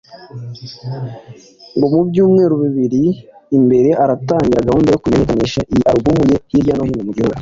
ngo mu byumweru bibiri biri imbere aratangira gahunda yo kumenyekanisha iyi album ye hirya no hino mu gihugu